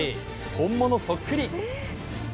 本物そっくり。